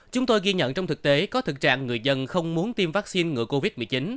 chúng tôi ghi nhận trong thực tế có thực trạng người dân không muốn tiêm vaccine ngừa covid một mươi chín